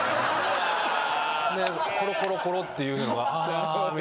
コロコロコロっていうのが「あ」みたいな。